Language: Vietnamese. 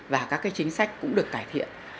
và các cái chính sách cũng được cải thiện